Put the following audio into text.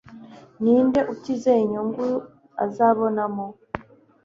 Ninde utizeye inyungu azabonamo